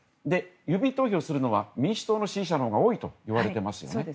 郵便投票するのは民主党の支持者のほうが多いといわれています。